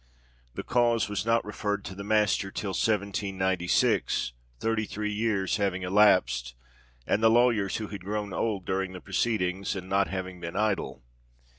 The cause was not referred to the Master till 1796—thirty three years having elapsed, and the lawyers, who had grown old during the proceedings, not having been idle.